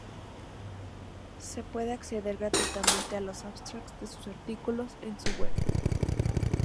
Se puede acceder gratuitamente a los Abstracts de sus artículos en su web.